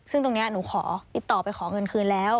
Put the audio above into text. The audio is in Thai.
ซึ่งตรงนี้หนูขอติดต่อไปขอเงินคืนแล้ว